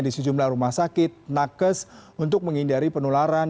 di sejumlah rumah sakit nakes untuk menghindari penularan